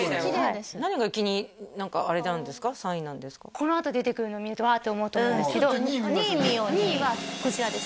このあと出てくるの見ると「あっ」と思うと思うんですけど２位見よう２位２位はこちらです